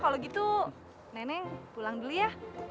kalau gitu nenek pulang dulu ya